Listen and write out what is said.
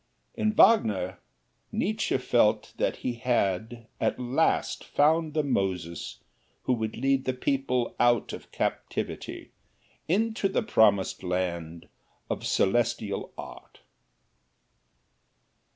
In Wagner, Nietzsche felt that at last he had found the Moses who would lead the people out of captivity, into the Promised Land of Celestial Art.